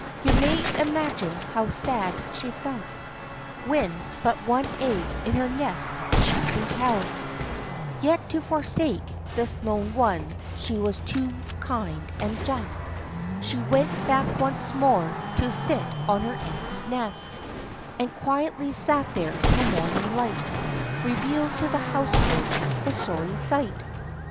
You may imagine how sad she felt, When but one egg in her nest she beheld; 20 THE LIFE AND ADVENTURES Yet to forsake this lone one, she was too kind and just, So she went back once more to sit on her empty nest, And quietly sat there till morning light Revealed to the household the sorry sight.